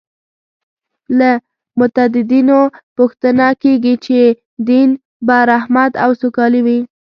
له متدینو پوښتنه کېږي چې دین به رحمت او سوکالي وي.